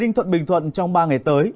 đinh thuận bình thuận trong ba ngày tới